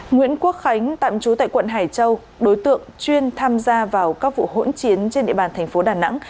nguyễn quốc khánh tạm trú tại quận hải châu đối tượng chuyên tham gia vào các vụ hỗn chiến trên địa bàn thành phố đà nẵng